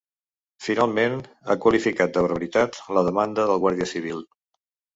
Finalment, ha qualificat de ‘barbaritat’ la demanda del guàrdia civil.